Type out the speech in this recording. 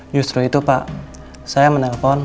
justru itu pak saya menelpon